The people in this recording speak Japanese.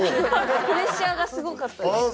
プレッシャーがすごかったです。